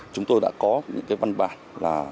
chúng tôi đã có những văn bản là